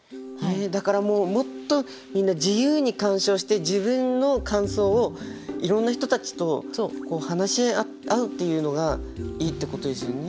だからもっとみんな自由に鑑賞して自分の感想をいろんな人たちと話し合うっていうのがいいってことですよね。